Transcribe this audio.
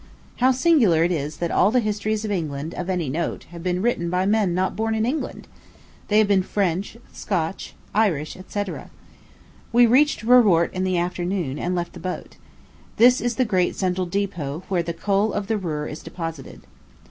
How singular it is that all the histories of England, of any note, have been written by men not born in England! They have been French, Scotch, Irish, &c. We reached Ruhrort in the afternoon, and left the boat. This is the great central depot where the coal of the Ruhr is deposited.